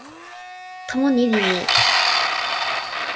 tomo ni li mi!